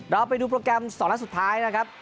เราไปดูโปรแกรม๒นัดสุดท้ายนะครับ